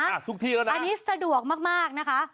อันนี้สะดวกมากนะคะ